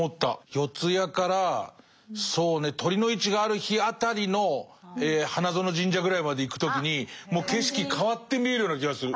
四谷からそうね酉の市がある日辺りの花園神社ぐらいまで行く時にもう景色変わって見えるような気がする。